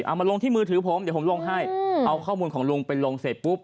มาลงที่มือถือผมเดี๋ยวผมลงให้เอาข้อมูลของลุงไปลงเสร็จปุ๊บ